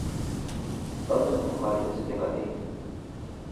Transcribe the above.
أود أن تقابل صديقاً لي.